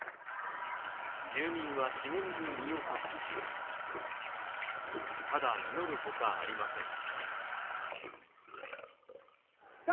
住民は、茂みに身を隠し、ただ祈るほかありません。